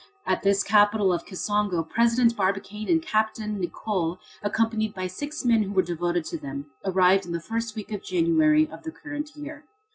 At this capital of Kisongo, President Barbicane and Capt. Nicholl accompanied by six men who were devoted to them, arrived in the first week of January of the current year.